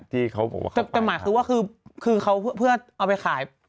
แต่หมายคือว่าคือเขาเพื่อเอาไปขาย